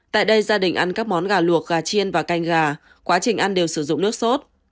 tại đây gia đình ăn các món gà luộc gà chiên và canh gà quá trình ăn đều sử dụng nước sốt